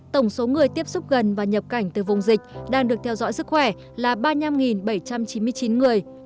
tổng số người tiếp xúc gần và nhập cảnh từ vùng dịch đang được theo dõi sức khỏe là ba mươi năm bảy trăm chín mươi chín người